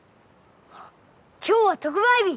はっ今日は特売日！